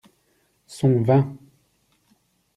Son vin.